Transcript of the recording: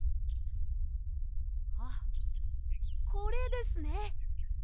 あっこれですね！